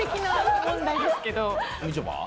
みちょぱは？